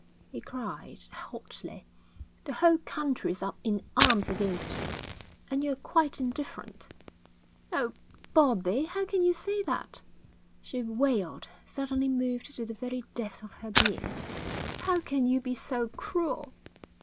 he cried hotly. 'The whole country is up in arms against him, and you are quite indifferent.' 'Oh, Bobbie, how can you say that?' she wailed, suddenly moved to the very depths of her being. 'How can you be so cruel?'